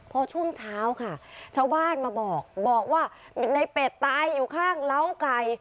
พอช่วงเช้าค่ะชาวบ้านมาบอกบอกว่าในเป็ดตายอยู่ข้างเล้าไก่